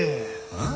ああ。